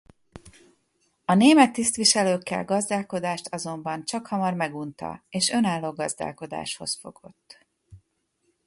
A német tisztviselőkkel gazdálkodást azonban csakhamar megunta és önálló gazdálkodáshoz fogott.